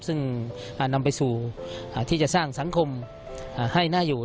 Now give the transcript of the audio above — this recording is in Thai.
ซึ่งนำไปสู่ที่จะสร้างสังคมให้น่าอยู่